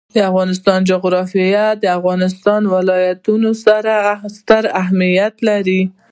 د افغانستان جغرافیه کې د افغانستان ولايتونه ستر اهمیت لري.